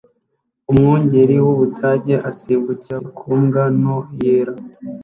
Umwungeri w’Ubudage asimbukira ku mbwa nto yera